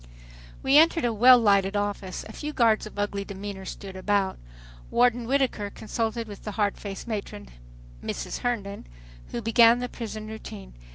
We entered a well lighted office. A few guards of ugly demeanor stood about. Warden Whittaker consulted with the hard faced matron, Mrs. Herndon, who began the prison routine.